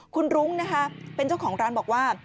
คุณรุ้งนะคะเป็นเจ้าของร้านบอกว่า